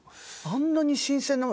あんなに新鮮な。